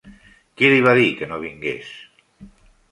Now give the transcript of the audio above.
Qui li va dir que no vingués?